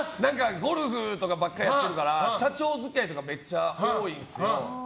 ゴルフとかばっかりやってるから社長付き合いとかめっちゃ多いんですよ。